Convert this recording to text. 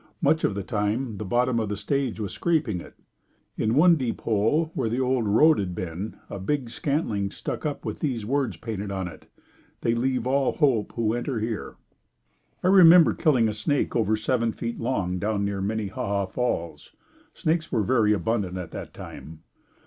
Much of the time the bottom of the stage was scraping it. In one deep hole where the old road had been, a big scantling stuck up with these words painted on it, "They leave all hope who enter here." I remember killing a snake over seven feet long down near Minnehaha Falls. Snakes were very abundant at that time.